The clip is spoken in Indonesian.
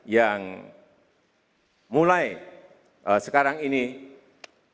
yang mulai sekadar berusaha untuk memiliki kemampuan yang lebih baik